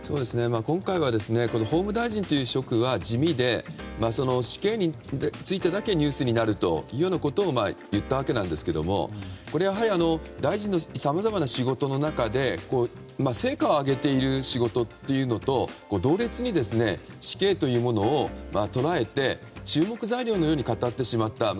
今回は法務大臣という職は地味で死刑についてだけニュースになるということを言ったわけなんですけどこれは、やはり大臣のさまざまな仕事の中で成果を上げている仕事というのと同列に死刑というものを捉えて注目材料のように語ってしまった。